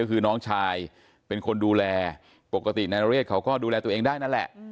ก็คือน้องชายเป็นคนดูแลปกตินายนเรศเขาก็ดูแลตัวเองได้นั่นแหละ